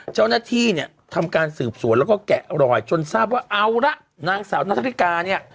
เจ้าหน้าที่เนี่ยทำการสืบสวนแล้วก็แกะรอยจนทราบว่าเอาละนางสาวนาธริกาเนี่ย